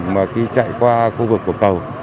mà khi chạy qua khu vực của cầu